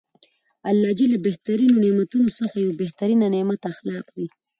د الله ج له بهترینو نعمتونوڅخه یو بهترینه نعمت اخلاق دي .